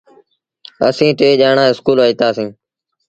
اسيٚݩ ٽي ڄآڻآن اسڪول وهيتآ سيٚݩ۔